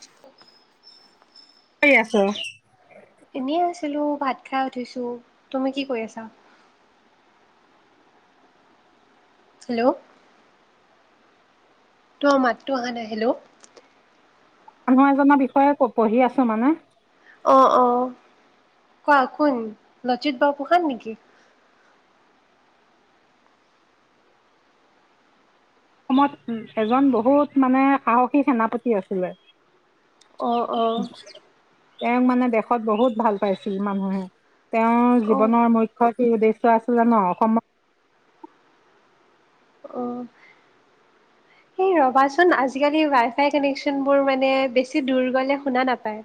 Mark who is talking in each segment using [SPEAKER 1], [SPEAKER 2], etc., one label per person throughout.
[SPEAKER 1] শিক
[SPEAKER 2] কৰি আছ
[SPEAKER 1] এনেই আছিলো ভাত খাই উঠিছো তুমি কি কৰি আছা হেল্ল' তো মাততো অহা নাই হেল্লঁ'
[SPEAKER 2] মানুহ এজনৰ বিষয়ে পঢ়ি আছো মানে
[SPEAKER 1] অ অ কোৱা কোন লজিত বু পুসান নেকি
[SPEAKER 2] অসমত উ এজন বহুত মানে সাহসী সেনাপতি আছিলে
[SPEAKER 1] অ অ
[SPEAKER 2] তেওঁক মানে দেশত বহুত ভাল পাইছিল মানুহে তেওঁৰ
[SPEAKER 1] অ
[SPEAKER 2] জীৱনৰ মুখ্য কি উদ্দেশ্য আছিলে ন অসমত
[SPEAKER 1] এই ৰ'বাচোন আজিকালি ৱাইফাই কানেক্যনবোৰ মানে বেছি দূৰ গ'লে শুনা নেপায়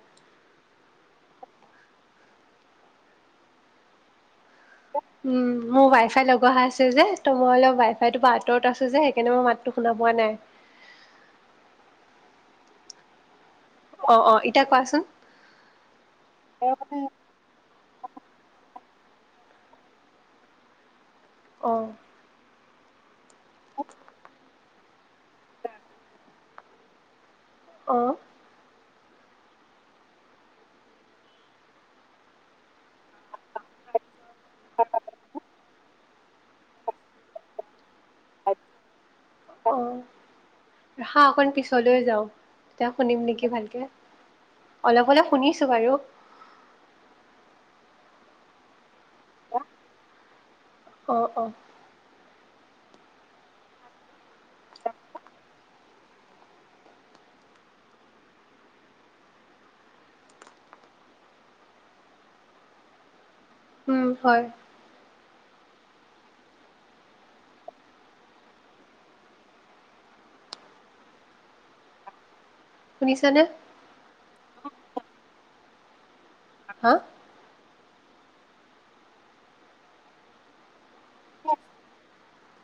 [SPEAKER 1] উ মোৰ ৱাই ফাই লগ অহা আছে যে ত মই অলপ ৱাই ফাইো আঁতৰত আছো যে সেইকাৰণে মই মাতটো শুনা পোৱা নাই অ অ ইতিয়া কোৱাচোন
[SPEAKER 2] এইব
[SPEAKER 1] অ অহ অ ৰা অকণ পিছলৈ যাওঁ তেয়া শুনিম নেকি ভালকে অলপ অলপ শুনিছোঁ বাৰু
[SPEAKER 2] অহ
[SPEAKER 1] অ অ
[SPEAKER 2] অ
[SPEAKER 1] উম হয় শুনিছানে
[SPEAKER 2] অ
[SPEAKER 1] হা
[SPEAKER 2] উ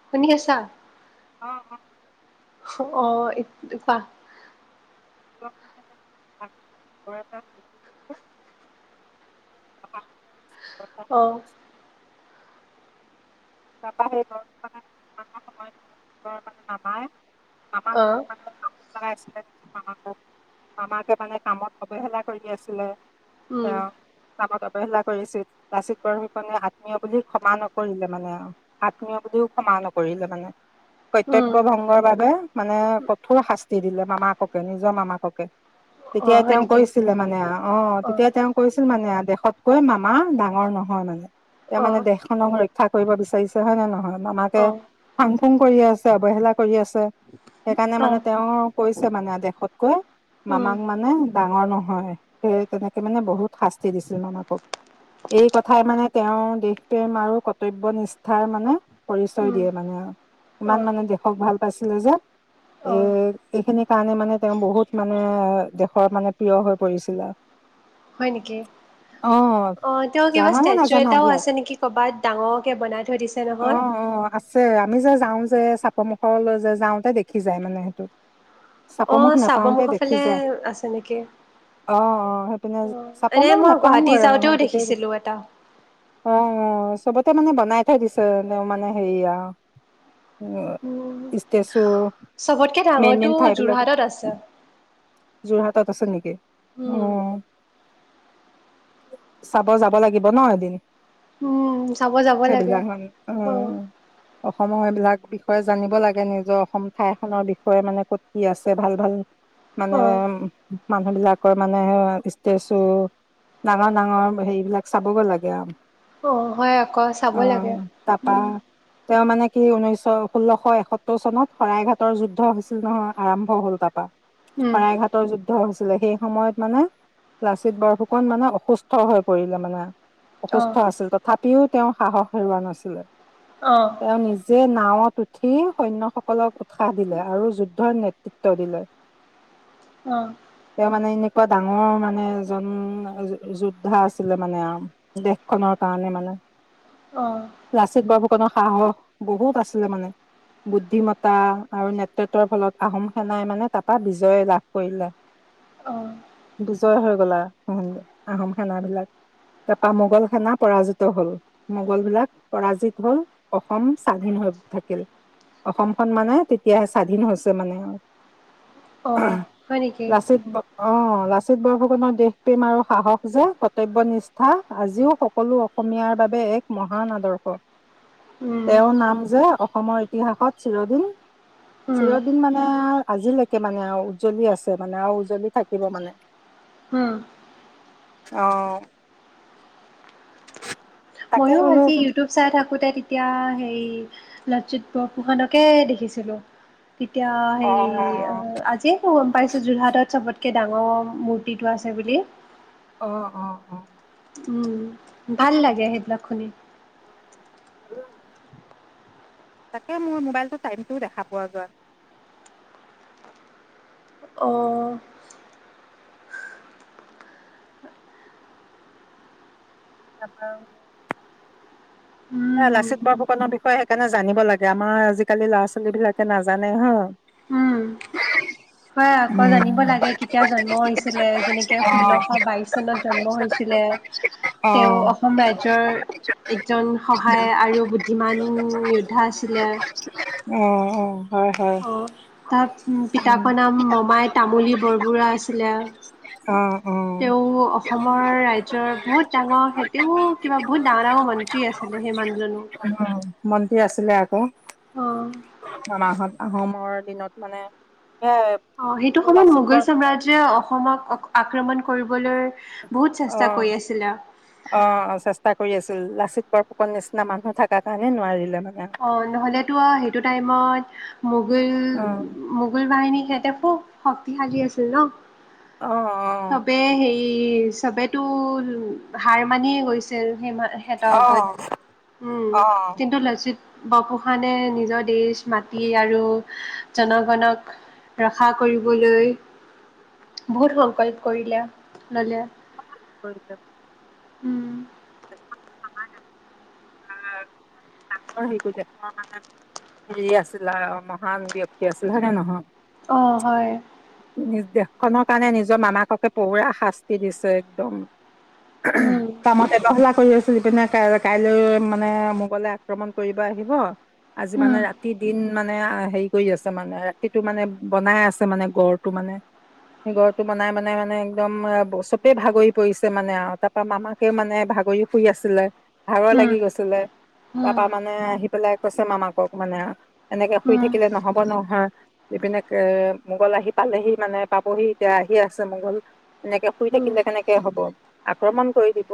[SPEAKER 1] শুনি আছা
[SPEAKER 2] অ অ
[SPEAKER 1] অ বা
[SPEAKER 2] ম ডাঙৰ এ
[SPEAKER 1] অহ
[SPEAKER 2] তাৰাপা সেই ঘৰটো মানে দু মাহৰ সময়ৰ মানে মামাই
[SPEAKER 1] অ',
[SPEAKER 2] মাৰাপ আছে নিৰ মামাকক মামাকে মানে কামত অৱহেলা কৰি আছিলে
[SPEAKER 1] উম
[SPEAKER 2] আহ কামত অৱহেলা কৰিছিল লাচিত বৰফুকনে আত্মীয় বুলি ক্ষমা নকৰিলে মানে আৰু আত্মীয় বুলিও ক্ষমা নকৰিলে মানে কৰ্তব্য
[SPEAKER 1] উম,
[SPEAKER 2] ভংগৰ বাবে মানে কঠোৰ শাস্তি দিলে মামাককে নিজৰ মামাককে তেতিয়া
[SPEAKER 1] অ', হয়
[SPEAKER 2] তেওঁ
[SPEAKER 1] নেকি?
[SPEAKER 2] কৈছিলে মানে অ তেতিয়া তেওঁ কৈছিল মানে দেশতকৈ মামা ডাঙৰ নহয় মানে এ মানে
[SPEAKER 1] অ',
[SPEAKER 2] দেশখনৰ থা কৰিব বিচ কৰিছে হয় নে নহয় মামাকে
[SPEAKER 1] অ',
[SPEAKER 2] ফাং ফুং কৰি আছে অৱহেলা কৰি আছে সেইকাৰণে মানে
[SPEAKER 1] অ',
[SPEAKER 2] তেওঁৰ কৈছে মানে দেশতকৈ
[SPEAKER 1] উম,
[SPEAKER 2] মামাক মানে ডাঙৰ নহয় স তেনেকে মানে বহুত শাস্তি দিছিল মামাকক এই কথাই মানে তেওঁৰ দেশ প্ৰেম আৰু কৰ্তব্য নিচিনা কথাৰ মানে পৰিচয়
[SPEAKER 1] উম,
[SPEAKER 2] দিয়ে মানে ইমান
[SPEAKER 1] অ',
[SPEAKER 2] মানে দেশক ভাল পাইছিলে যে এ
[SPEAKER 1] অ'।
[SPEAKER 2] এইখিনি কাৰণে মানে তেওঁ বহুত মানে দেশৰ মানে প্ৰিয় হৈ পৰিছিলে
[SPEAKER 1] হয় নেকি
[SPEAKER 2] অ
[SPEAKER 1] অ তেওঁ কিবা
[SPEAKER 2] জানানে
[SPEAKER 1] ষ্টেচু
[SPEAKER 2] নাজানা
[SPEAKER 1] এটাও
[SPEAKER 2] এইবিলাক
[SPEAKER 1] আছে নেকি কৰবাত ডাঙৰকে বনাই থৈ দিছে
[SPEAKER 2] অ
[SPEAKER 1] নহয়।
[SPEAKER 2] অ আছে আমি যাই যাওঁ যে চাপৰ মুখৰলৈ যে যাওঁতে দেখি যায় মানে সেইটো চাপমুখ
[SPEAKER 1] অ',
[SPEAKER 2] নাপাওতে
[SPEAKER 1] চাবমুখৰ
[SPEAKER 2] দেখি
[SPEAKER 1] ফালে
[SPEAKER 2] যায়
[SPEAKER 1] আছে নেকি?
[SPEAKER 2] অ অ সেইপিনে
[SPEAKER 1] অ', এনে
[SPEAKER 2] চাপমুখ
[SPEAKER 1] মই
[SPEAKER 2] নাপাও
[SPEAKER 1] গুৱাহাটী
[SPEAKER 2] আৰু
[SPEAKER 1] যাওঁতেও
[SPEAKER 2] অ তেতিয়াই
[SPEAKER 1] দেখিছিলোঁ এটা।
[SPEAKER 2] অ অ চবত মানে নাই থ দিছে তেওঁ মানে হেৰিয়া
[SPEAKER 1] উ
[SPEAKER 2] ষ্টেচু
[SPEAKER 1] চবতকে
[SPEAKER 2] মেইন
[SPEAKER 1] ডাঙৰটো যোৰহাটত আছে
[SPEAKER 2] যোৰহাতাত আছে নেকি অ
[SPEAKER 1] উম
[SPEAKER 2] চাব যাব লাগিব ন এদিন
[SPEAKER 1] উম চাব যাব লাগে
[SPEAKER 2] সেইবিলাক মানে অ অসমৰ সেইবিলাক বিষয়ে জানিব লাগে নিজৰ অসম ঠাইখনৰ বিষয়ে মানে ক'ত কি আছে ভাল ভাল মানে
[SPEAKER 1] অ
[SPEAKER 2] উ মানুহ বিলাকৰ মানে ষ্টেচু ডাঙৰ ডাঙৰ হেৰিবলাক চাবগৈ লাগে আৰু
[SPEAKER 1] অ হয় আকৌ চাব
[SPEAKER 2] অ
[SPEAKER 1] লাগে উম'।
[SPEAKER 2] সি উনৈশ ষোল্লশ এসত্তৰ চনত শৰাইঘাটৰ যুদ্ধ হৈছিল নহয় আৰম্ভ হ'ল তাৰাপা।
[SPEAKER 1] উম
[SPEAKER 2] শৰাইঘাটৰ যুদ্ধ হৈছে। ছিলে সেই সময়ত মানে লাচিত বৰফুকন মানে অসুস্থ হৈ পৰিলে মানে।
[SPEAKER 1] অ
[SPEAKER 2] অসুস্থ আছিল তথাপি। তথাপিও তেওঁ সাহস হেৰুৱা নাছিলে।
[SPEAKER 1] অ'।
[SPEAKER 2] যে নাৱত উঠি সৈন্যসকলক উৎসাহ দিলে আৰু যুদ্ধৰ নেতৃত্ব দিলে।
[SPEAKER 1] অ'।
[SPEAKER 2] তেওঁ মানে এনেকুৱা ডাঙৰ মানে এজন যোদ্ধা আছিলে মানে আৰু দেশখনৰ কাৰণে মানে।
[SPEAKER 1] অ
[SPEAKER 2] লাচিত বাৰফুকন। লাচিত বৰফুকনৰ সাহস বহুত আছিলে। মানে বুদ্ধিমতা আৰু নেতৃত্বৰ ফলত আহোম সেনাই মানে তাৰ পৰা বিজ- বিজয় লাভ কৰিলে।
[SPEAKER 1] অ
[SPEAKER 2] বিজয় হৈ গ'ল আৰু আহোম সেনাবিলাক তাৰপা মোগল সেনা পৰাজিত হ'ল। মোগল বিলাক পৰাজিত হ'ল। অসম স্বাধীন হৈ থাকিল। অসমখন মানে তেতিয়াহে স্বাধীন হৈছে মানে।
[SPEAKER 1] অ হয় নেকি
[SPEAKER 2] লাচিত ব- অ' লাচিত বৰফুকনৰ দেশপেম আৰু সাহস যে কৰ্তব্য নিষ্ঠা আজিও সকলো অসমীয়াৰ বাবে এক মহান আদৰ্শ।
[SPEAKER 1] উম
[SPEAKER 2] তেওঁৰ নাম যে অসমৰ ইতিহাসত চিৰদিন
[SPEAKER 1] উম
[SPEAKER 2] চিৰদিন মানে আজিলৈকে মানে আৰু। উজ্জ্বলি আছে মানে আৰু উজ্জ্বলি থাকিব মানে।
[SPEAKER 1] হুম।
[SPEAKER 2] অহ। তাকে
[SPEAKER 1] ময়ো
[SPEAKER 2] বোলো
[SPEAKER 1] আজি ইউটিউব চাই থাকো - থাকোতে তেতিয়া হেই লাচিত বৰফুকনকে দেখিছিলো। তেতিয়া
[SPEAKER 2] অ
[SPEAKER 1] হেৰি আজিয়ে গম পাইছো যোৰহাটত চবতকে- কৈ ডাঙৰ মূৰ্তিটো আছে বুলি।
[SPEAKER 2] অ'-অ'-অ'
[SPEAKER 1] উম ভাল লাগে সেইবিলাক শুনি। [inaudible]
[SPEAKER 2] তাকে মোৰ মোবাইলটোৰ টাইমটোও দেখা পোৱা যোৱা নাই।
[SPEAKER 1] অ
[SPEAKER 2] তাৰপা। এ লাচিত
[SPEAKER 1] উম
[SPEAKER 2] বৰফুকনৰ বিষয়ে সেইকাৰণে জানিব লাগে। আমাৰ আজিকালি ল'ৰা-ছোৱালী বিলাকে নাজানে হয় -
[SPEAKER 1] উম, হয়, আকৌ জানিব লাগে কেতিয়া জন্ম হৈছিলে। যেনেকে ষোল্লশ বাইশ চনত জন্ম হৈছিলে।
[SPEAKER 2] অ অ
[SPEAKER 1] তেওঁ অসম ৰাজ্যৰ একজন সহায় আৰু বুদ্ধিমান যোদ্ধা আছিলে।
[SPEAKER 2] অ অ'। হয় হয়
[SPEAKER 1] অ' তাৰ পিতাকৰ নাম মমাই তামুলী বৰবৰুৱা আছিলে।
[SPEAKER 2] অ অ
[SPEAKER 1] তেওঁ অসমৰ ৰাজ্যৰ বহুত ডাঙৰ সতেও কিবা বহুত ডাঙৰ ডাঙৰ মন্ত্ৰী আছিলে। সেই মানুহজনো
[SPEAKER 2] উ মন্ত্ৰী আছিলে। আছিলে ক
[SPEAKER 1] অ'।
[SPEAKER 2] এমাহত। আহোমৰ দিনত মানে। এ
[SPEAKER 1] অ সেইটো সময়ত
[SPEAKER 2] লাচিত
[SPEAKER 1] মোগল
[SPEAKER 2] বৰ
[SPEAKER 1] সাম্ৰাজ্যে অসমক আক্ৰমণ। কৰিবলৈ। বহুত
[SPEAKER 2] অ
[SPEAKER 1] চেষ্টা কৰি আছিলে।
[SPEAKER 2] অ চেষ্টা কৰি আছে। লাচিত বৰফুকৰন নিচিনা মানুহ থাকাঁ কাৰণে নোৱাৰিলে। মানে
[SPEAKER 1] অ নহলেতো সেইটো টাইমত মোগল মোগল বাহিনী সেইতে পু শক্তিশালী আছিল ন
[SPEAKER 2] অ
[SPEAKER 1] সবে হে এই চবেতো হাৰ মানিয়ে গৈছে সিমা হেতৰ
[SPEAKER 2] অ
[SPEAKER 1] আগত উম
[SPEAKER 2] অ
[SPEAKER 1] কিন্তু লাচিত বপুখানে নিজৰ দেশ মাতি আৰু জনগণক ৰক্ষা কৰিবলৈ বহুত সংকল্প কৰিলে ললে
[SPEAKER 2] কৰি য
[SPEAKER 1] উম
[SPEAKER 2] ডাঙৰ হেইটো দেশৰ মানে হেৰি আছিল আৰু মহান ব্যক্তি আছিল হয় নে নহয়?
[SPEAKER 1] অ হয়
[SPEAKER 2] নিচ দেশখনৰ কাৰণে নিজৰ মামাককে পুৰা শাস্তি দিছে একদম
[SPEAKER 1] উম,
[SPEAKER 2] কামত এবেহুলা কৰি চলি পিনে কাইলৈ, কাইলৈ মানে মোগলে আক্ৰমণ কৰিব আহিব। আজি
[SPEAKER 1] উম,
[SPEAKER 2] মানে ৰাতি-দিন মানে হেৰি কৰি আছে মানে, ৰাতিটো মানে বনাই আছে মানে। গড়টো মানে, সেই গড়টো বনাই মনাই মানে একদম চবেই ভাগৰি পৰিছে মানে আৰু! তাৰ পৰা মামাকেও মানে ভাগৰি শুই আছিলে। ভাগৰ
[SPEAKER 1] উম,
[SPEAKER 2] লাগি গৈছিলে,
[SPEAKER 1] উম,
[SPEAKER 2] তাৰাপা মানে আহি পেলাই কৈছে মামাকক মানে, এনেকে শুই
[SPEAKER 1] উম,
[SPEAKER 2] থাকিলে নহ'ব নহয়! ইপিনে মোগল আহি পালেহি মানে, পাবহি এতিয়া আহি আছে মোগল। এনেকে শুই
[SPEAKER 1] উম,
[SPEAKER 2] থাকিলে কেনেকে হ'ব? আক্ৰমণ কৰি দিব,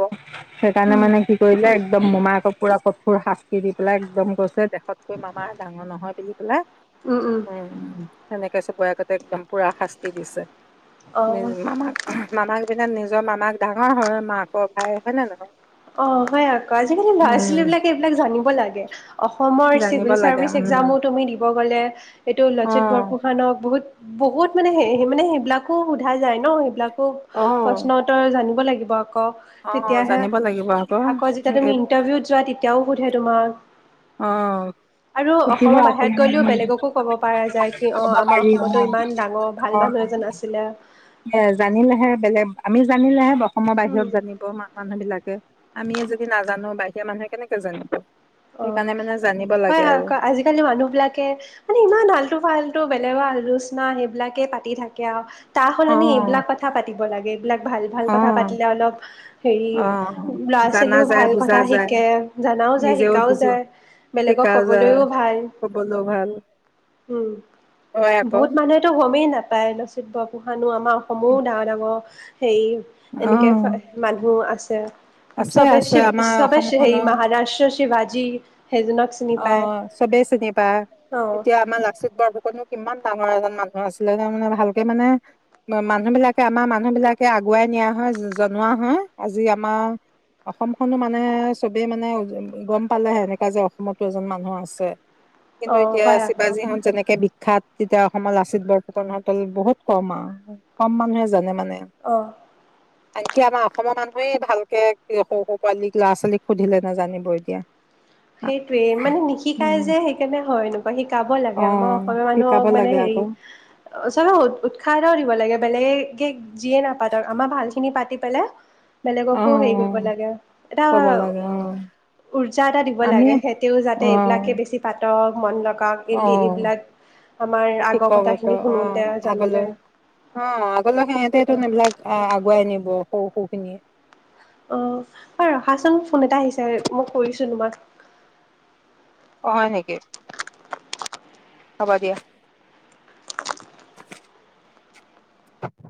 [SPEAKER 2] সেইকাৰণে
[SPEAKER 1] উম,
[SPEAKER 2] মানে কি কৰিলে একদম মোমাইক পুৰা কঠোৰ শাস্তি দি পেলাই একদম কৈছে, দেশতকৈ মামা ডাঙৰ নহয় বুলি পেলাই, উম সেনেকে চবৰে আগতে একদম পুৰা শাস্তি দিছে।
[SPEAKER 1] অ'।
[SPEAKER 2] নিজ মামাক, মামাক এইপিনে নিজৰ মামাক ডাঙৰ হয়, মাকৰ ভাই হয়নে নহয়?
[SPEAKER 1] অ' হয় আকৌ! আজিকালি
[SPEAKER 2] উম,
[SPEAKER 1] ল'ৰা-ছোৱালীবিলাকে এইবিলাক জানিব লাগে। অসমৰ
[SPEAKER 2] জানিব
[SPEAKER 1] চিভিল
[SPEAKER 2] লাগে
[SPEAKER 1] চাৰ্ভিচ
[SPEAKER 2] উম
[SPEAKER 1] এক্সামো তুমি দিব গ'লে, এইটো লচিত
[SPEAKER 2] অ',
[SPEAKER 1] বৰফুকনক বহুত বহুত মানে সেই মানে, সেইবিলাকো সোধা যায় ন সেইবিলাক? খুব
[SPEAKER 2] অ',
[SPEAKER 1] প্ৰশ্ন উত্তৰ জানিব লাগিব। বহক ক'
[SPEAKER 2] অ',
[SPEAKER 1] তেতিয়াহে
[SPEAKER 2] জানিব লাগিব
[SPEAKER 1] আকৌ যেতিয়া
[SPEAKER 2] এই
[SPEAKER 1] তুমি ইন্টাৰভিউত যোৱা তেতিয়াও সোধে তোমাক
[SPEAKER 2] অহ,
[SPEAKER 1] আৰু
[SPEAKER 2] [unintelligible]
[SPEAKER 1] অসমৰ বাহিৰত গ'লেও বেলেগকো ক'ব পৰা যায় কি অ আমাৰ অসমতো ইমান ডাঙৰ ভাল
[SPEAKER 2] অহ
[SPEAKER 1] মানুহ এজন আছিলে
[SPEAKER 2] জানিলেহে বেলেগ আমিও জানিলেহে ব অসমৰ
[SPEAKER 1] উম
[SPEAKER 2] বাহিৰত জানিব মা -মানুহ বিলাকে আমিয়ে যদি নাজানো বাহিৰ সেই মানুহে কেনেকে জানিব
[SPEAKER 1] অহ,
[SPEAKER 2] সেইকাৰণে মানে জানিব
[SPEAKER 1] হয়
[SPEAKER 2] লাগে আৰু।
[SPEAKER 1] আক আজিকালি মানুহ বিলাকে মানে ইমান আালটো- ফাল‌ টো বেলেগৰ আলোচনা সেইবিলাকে পাতি থাকে আৱ তাহ হ'লনি
[SPEAKER 2] অ',
[SPEAKER 1] এইবিলাক কথা পাতিব পাতিব লাগে এই বিলাক ভাল ভাল কথা
[SPEAKER 2] অ',
[SPEAKER 1] পাতিলে অলপ হেৰি
[SPEAKER 2] অ',
[SPEAKER 1] ল'ৰা
[SPEAKER 2] জানা
[SPEAKER 1] ছোৱালীও
[SPEAKER 2] যায়
[SPEAKER 1] ভাল
[SPEAKER 2] বুজা
[SPEAKER 1] কথা
[SPEAKER 2] যায়
[SPEAKER 1] শিকে জানাও যায়
[SPEAKER 2] নিজেও
[SPEAKER 1] শিকি
[SPEAKER 2] বুজি
[SPEAKER 1] বেলেগক
[SPEAKER 2] শিকা যায়।
[SPEAKER 1] ক'বলৈ ও ভাল
[SPEAKER 2] কবলৈ ভাল
[SPEAKER 1] উম
[SPEAKER 2] হয় আকৌ
[SPEAKER 1] বহুত মানুহেতো গমেই নাপায় লচিত বৰফুকনো আমাৰ অসমৰো ডাঙৰ ডাঙৰ অ'হ সেই এনেকে
[SPEAKER 2] অ'
[SPEAKER 1] হয় মানুহ আছে যে
[SPEAKER 2] আছে
[SPEAKER 1] সবে
[SPEAKER 2] আছে
[SPEAKER 1] শিৱ
[SPEAKER 2] আমাৰ
[SPEAKER 1] সবে হেই
[SPEAKER 2] অসমখনৰ
[SPEAKER 1] মহাৰাষ্ট্ৰৰ শিৱাজী যি
[SPEAKER 2] অ চবেই চিনি পা
[SPEAKER 1] অ
[SPEAKER 2] এতিয়া আমাৰ লাচিত বৰফুকনো কিমান ডাঙৰ এজন মানুহ আছিলে তাৰ মানে ভালকে মানে মানুহ বিলাকে আমাৰ মানুহ বিলাকে আগুৱাই নিয়া হয় জনোৱা হয় আজি আমাৰ অসমখনো মানে চবেই মানে গম পালেহে এনেকা যে অসমত এজন মানুহ আছে কিন্তু
[SPEAKER 1] অ'
[SPEAKER 2] এতিয়া
[SPEAKER 1] হয় আকৌ
[SPEAKER 2] শিৱাজীহঁত যেনেকে বিখ্যাত তেতিয়া অসমত লাচিত বৰফুকন হোটেল বহুত কম আৰু কম মানুহে জানে মানে
[SPEAKER 1] অহ
[SPEAKER 2] আনকি আমাৰ অসমৰ মানুহেই ভালকে সৰু সৰু পোৱালীক ল'ৰা ছোৱালীক সুধিলে নেজানিব এতিয়া
[SPEAKER 1] সেইটোৱে মানে নিশিকায়ে
[SPEAKER 2] উম,
[SPEAKER 1] যে সেইকাৰণে হয় এনেকুৱা শিকাব
[SPEAKER 2] অ
[SPEAKER 1] লাগে আমাৰ অসমীয়া
[SPEAKER 2] শিকাব
[SPEAKER 1] মানুহক মানে
[SPEAKER 2] লাগে
[SPEAKER 1] হেৰি
[SPEAKER 2] আকৌ
[SPEAKER 1] চবে উ উৎসাহ দিব লাগে বেলেগে কে যিয়ে নাপাতক আমাৰ ভাল খিনি পাতি পেলাই
[SPEAKER 2] অ
[SPEAKER 1] বেলেগকো হেৰি
[SPEAKER 2] অ
[SPEAKER 1] কৰিব লাগে এটা
[SPEAKER 2] ক'ব লাগে অ
[SPEAKER 1] উৰ্জা এটা দিব শিকাব
[SPEAKER 2] আমি
[SPEAKER 1] লাগে সেইতেও যাতে
[SPEAKER 2] অ
[SPEAKER 1] এইবিলাকে বেছি পাতে ত মন লগ
[SPEAKER 2] অ
[SPEAKER 1] আগৰ
[SPEAKER 2] শিকক আকৌ
[SPEAKER 1] কথাখিনি
[SPEAKER 2] অ
[SPEAKER 1] শুনোতে জানোতে
[SPEAKER 2] আগলৈ অ আগলৈ সিহঁতেটো এইবিলাক অহ আগুৱাই নিব সৰু সৰুখিনিয়ে
[SPEAKER 1] অ' ৰখাচোন ফোন এটা আহিছে মই কৰিছোঁ তোমাক।
[SPEAKER 2] অ হয় নেকি হ'ব দিয়া [unintelligible]